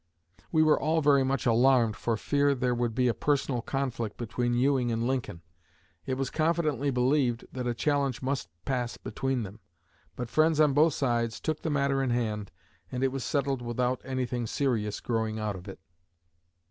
We were all very much alarmed for fear there would be a personal conflict between Ewing and Lincoln. It was confidently believed that a challenge must pass between them; but friends on both sides took the matter in hand, and it was settled without anything serious growing out of it."